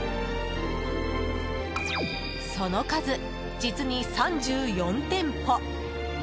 その数、実に３４店舗。